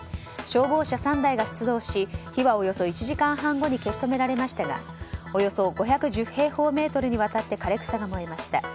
消防車３台が出動し火はおよそ１時間半後に消し止められましたがおよそ５１０平方メートルにわたって枯れ草が燃えました。